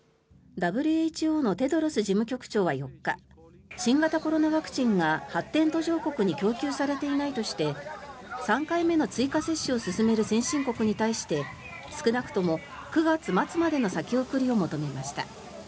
ＷＨＯのテドロス事務局長は４日新型コロナワクチンが発展途上国に供給されていないとして３回目の追加接種を進める先進国に対して少なくとも９月末までの先送りを求めました。